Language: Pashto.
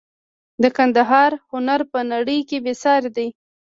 د ګندهارا هنر په نړۍ کې بې ساري دی